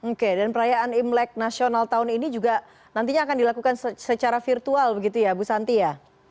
oke dan perayaan imlek nasional tahun ini juga nantinya akan dilakukan secara virtual begitu ya bu santi ya